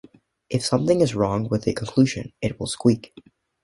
If something is wrong with a conclusion it will 'squeak'.